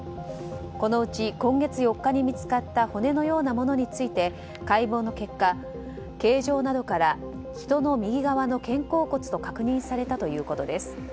このうち今月４日に見つかった骨のようなものについて解剖の結果、形状などから人の右側の肩甲骨と確認されたということです。